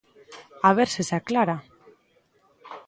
A ver se se aclara.